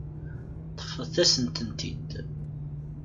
Ṭṭfet-asen-tent-id.